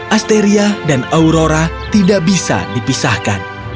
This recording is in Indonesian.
asteria dan aurora tidak bisa dipisahkan